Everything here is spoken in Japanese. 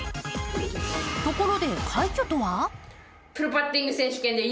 ところで、快挙とは？